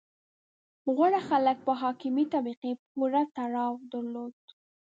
• غوره خلک په حاکمې طبقې پورې تړاو درلود.